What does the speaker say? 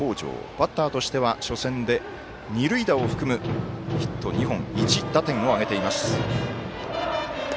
バッターとしては初戦で二塁打を含むヒット２本１打点を挙げています。